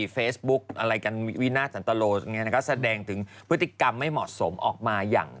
เฟซบุ๊กอะไรกันวินาทสันตโลแสดงถึงพฤติกรรมไม่เหมาะสมออกมาอย่าง